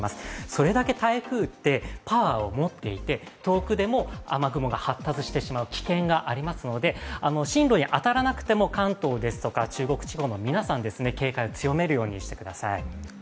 それだけ台風ってパワーを持っていて遠くでも雨雲が発達してしまう危険がありますので進路に当たらなくても関東ですとか中国地方の皆さん警戒を強めるようにしてください。